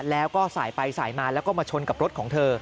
แล้วก็สายไปสายมาแล้วก็มาชนกับรถของเธอ